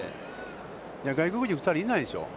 外国人２人、いないでしょう。